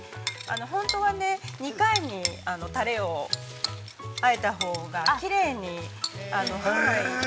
本当は２回にタレをあえたほうがきれいに、はい。